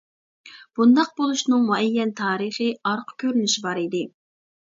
بۇنداق بولۇشنىڭ مۇئەييەن تارىخىي ئارقا كۆرۈنۈشى بار ئىدى.